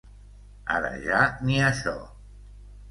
Ara ja ni això.